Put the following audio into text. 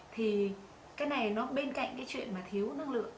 thì cái này nó bên cạnh cái chuyện mà thiếu năng lượng